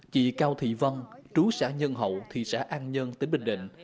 chị cao thị vân trú xã nhân hậu thị xã an nhơn tỉnh bình định